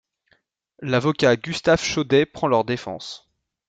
L'avocat Gustave Chaudey prend leur défense.